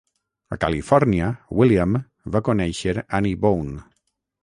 A Califòrnia, William va conèixer Annie Bone.